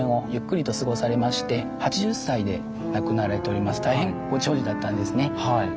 はいここが大変ご長寿だったんですね。